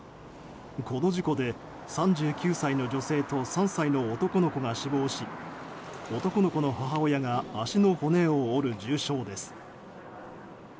この事故で３９歳の女性と３歳の男の子が死亡し男の子の母親が足の骨を折る重傷です。